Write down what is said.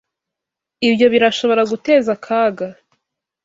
Ibyo birashobora guteza akaga.